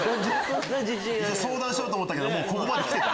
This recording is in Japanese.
相談しようと思ったけどもうここまで来てた。